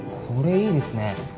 これいいですね